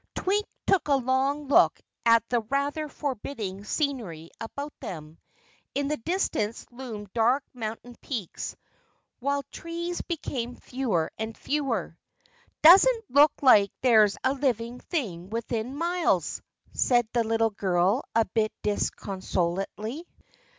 Twink took a long look at the rather forbidding scenery about them. In the distance loomed dark mountain peaks, while trees became fewer and fewer. "Doesn't look like there's a living thing within miles!" said the little girl, a bit disconsolately.